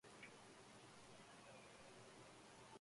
Fue subdirectora del Instituto Horticultural John Innes.